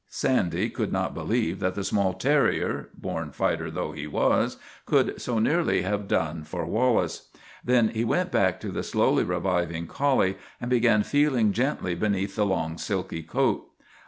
Sandy could not believe that the small terrier, born fighter though he was, could so nearly have done for Wallace. Then he went back to the slowly reviving collie and began feeling gently beneath the long silky coat.